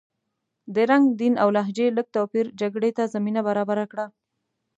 د رنګ، دین او لهجې لږ توپیر جګړې ته زمینه برابره کړه.